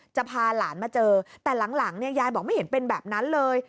จะพาหลานมาเจอแต่หลังเนี่ยยายบอกไม่เห็นเป็นแบบนั้นเลย